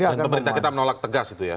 dan pemerintah kita menolak tegas itu ya